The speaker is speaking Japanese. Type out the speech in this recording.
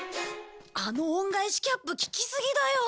あの恩返しキャップ効きすぎだよ。